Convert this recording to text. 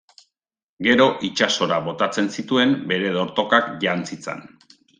Gero itsasora botatzen zituen bere dortokak jan zitzan.